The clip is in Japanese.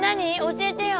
教えてよ！